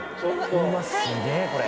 うわっすげえこれ。